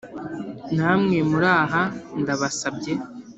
namwe muri aha ndabasabye ».